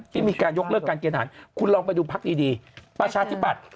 ที่มีการยกเลิกการเกณฑ์อาหารคุณลองไปดูพักดีประชาธิบัติ